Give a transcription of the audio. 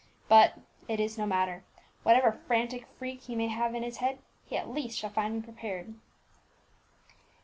But it is no matter; whatever frantic freak he may have in his head, he at least shall find me prepared."